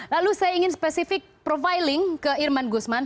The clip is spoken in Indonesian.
lalu saya ingin spesifik profiling ke irman gusman